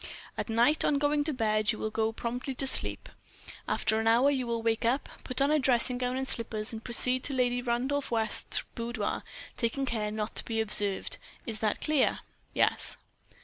"At night, on going to bed, you will go promptly to sleep. After an hour you will wake up, put on a dressing gown and slippers, and proceed to Lady Randolph West's boudoir, taking care not to be observed. Is that clear?" "Yes."